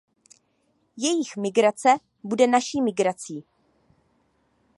Jejich migrace bude naší migrací.